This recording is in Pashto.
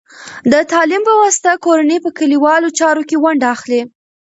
د تعلیم په واسطه، کورنۍ په کلیوالو چارو کې ونډه اخلي.